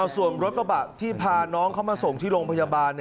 ส่วนรถกระบะที่พาน้องเขามาส่งที่โรงพยาบาล